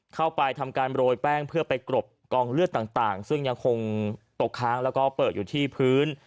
เข้าไปทำการโรยแป้งเพื่อไปกรบกองเลือดต่างซึ่งยังคงตกค้างแล้วก็เปิดอยู่ที่พื้น